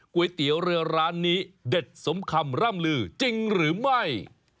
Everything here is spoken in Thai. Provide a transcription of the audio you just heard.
ก๋วยเตี๋ยวเรือร้านนี้เด็ดสมคำร่ำลือจริงหรือไม่